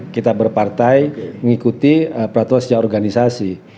kita berpartai mengikuti peraturan sejak organisasi